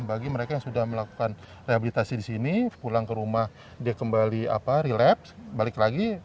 bagi mereka yang sudah melakukan rehabilitasi di sini pulang ke rumah dia kembali relapse balik lagi